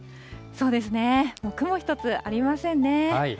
そうですね、もう雲一つありませんね。